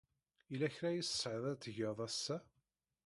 Yella kra ay tesɛiḍ ad tgeḍ ass-a?